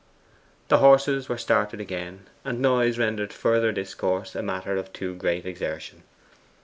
The horses were started again, and noise rendered further discourse a matter of too great exertion.